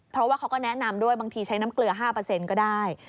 เพราะว่าเขาก็แนะนำด้วยบางทีใช้น้ำเกลือ๕ก็ได้